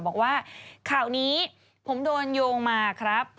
บอกว่าข่าวนี้ผมโดนโยงมาครับ